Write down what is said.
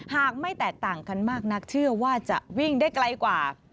หากไม่แตกต่างกันมากนักเชื่อว่าจะวิ่งได้ไกลกว่า